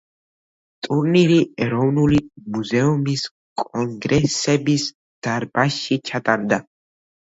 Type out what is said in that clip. ტურნირი ეროვნული მუზეუმის კონგრესების დარბაზში ჩატარდა.